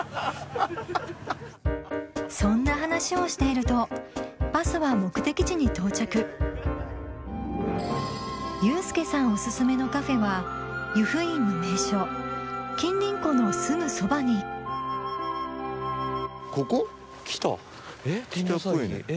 そんな話をしているとバスは目的地に到着ユースケさんおすすめのカフェはのすぐそばにここ？来たえ。